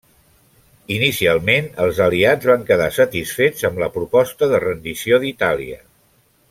Inicialment, els aliats van quedar satisfets amb la proposta de rendició d'Itàlia.